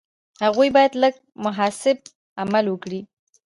هغوی باید لکه محاسب عمل وکړي.